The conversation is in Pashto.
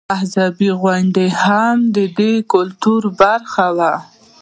مذهبي غونډې هم د دې کلتور برخه ده.